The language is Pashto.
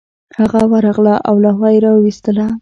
هغه ورغله او لوحه یې راویستله